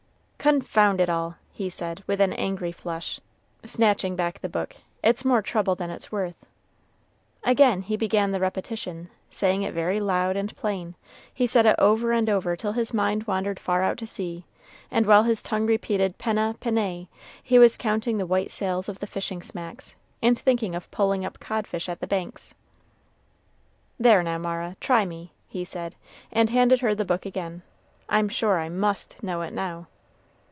"Confound it all!" he said, with an angry flush, snatching back the book; "it's more trouble than it's worth." Again he began the repetition, saying it very loud and plain; he said it over and over till his mind wandered far out to sea, and while his tongue repeated "penna, pennæ," he was counting the white sails of the fishing smacks, and thinking of pulling up codfish at the Banks. "There now, Mara, try me," he said, and handed her the book again; "I'm sure I must know it now."